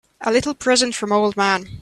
A little present from old man.